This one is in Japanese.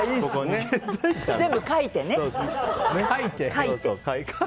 全部、書いてね。